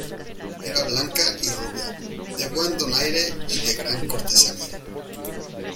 era blanca y rubia, de buen donaire y de gran cortesanía.